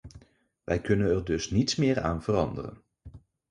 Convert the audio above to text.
Wij kunnen er dus niets meer aan veranderen.